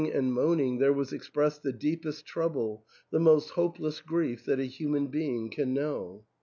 and moaning there was expressed the deepest trouble, the most hopeless grief, that a human being can know.